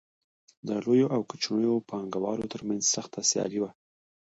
د لویو او کوچنیو پانګوالو ترمنځ سخته سیالي وه